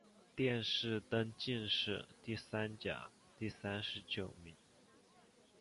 殿试登进士第三甲第三十九名。